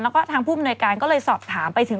แล้วก็ทางผู้มนวยการก็เลยสอบถามไปถึง